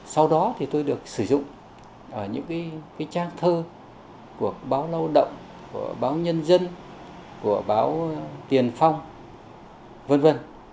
sau đó tôi được sử dụng ở những trang thơ của báo lao động báo nhân dân báo tiền phong v v